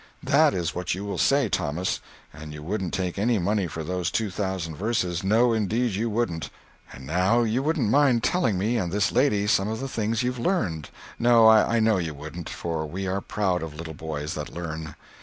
That is what you will say, Thomas—and you wouldn't take any money for those two thousand verses—no indeed you wouldn't. And now you wouldn't mind telling me and this lady some of the things you've learned—no, I know you wouldn't—for we are proud of little boys that learn.